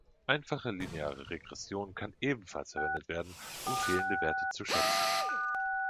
Einfache lineare Regression kann ebenfalls verwendet werden, um fehlende Werte zu schätzen.